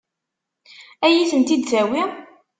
Ad iyi-tent-id-tawi?